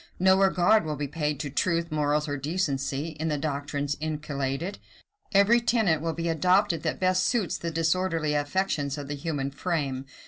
No regard will be paid to truth, morals, or decency, in the doctrines inculcated. Every tenet will be adopted that best suits the disorderly affections of the human frame.